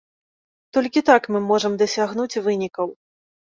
Толькі так мы можам дасягнуць вынікаў.